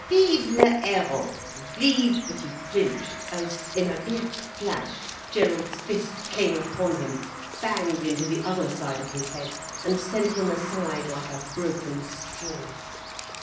"Vive le héros, vive—" But he flinched, as, in a black flash Gerald's fist came upon him, banged into the other side of his head, and sent him aside like a broken straw.